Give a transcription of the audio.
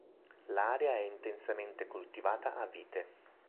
L'area è intensamente coltivata a vite.